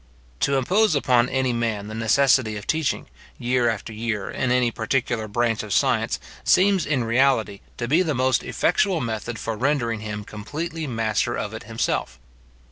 To impose upon any man the necessity of teaching, year after year, in any particular branch of science seems in reality to be the most effectual method for rendering him completely master of it himself.